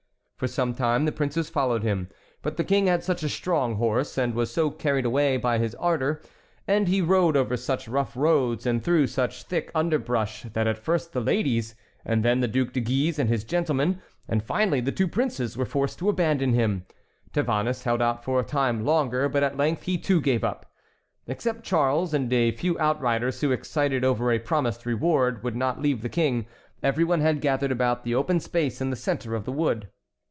For some time the princes followed him. But the King had such a strong horse and was so carried away by his ardor, and he rode over such rough roads and through such thick underbrush, that at first the ladies, then the Duc de Guise and his gentlemen, and finally the two princes, were forced to abandon him. Tavannes held out for a time longer, but at length he too gave up. Except Charles and a few outriders who, excited over a promised reward, would not leave the King, everyone had gathered about the open space in the centre of the wood.